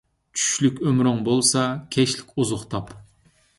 چۈشلۈك ئۆمرۈڭ بولسا، كەچلىك ئوزۇق تاپ